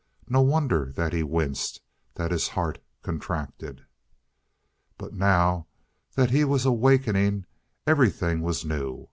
No wonder that he winced, that his heart contracted. But now that he was awakening, everything was new.